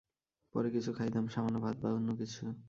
পরে কিছু খাইতাম, সামান্য ভাত বা অন্য কিছু।